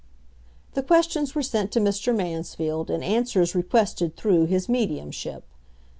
The questions were sent to Mr. Mansfield and answers requested through his "mediumship."